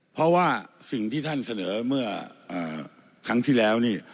เพราะว่าสิ่งที่ท่านเสนอเมื่อครั้งที่แล้วนี่